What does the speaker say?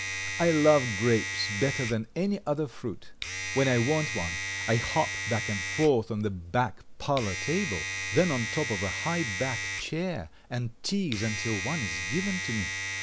I love grapes better than any other fruit. When I want one I hop back and forth on the back parlor table, then on top of a high back chair and tease until one is given to me.